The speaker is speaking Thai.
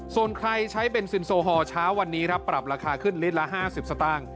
ส่วนใครใช้เบนซินโซฮอลเช้าวันนี้ครับปรับราคาขึ้นลิตรละ๕๐สตางค์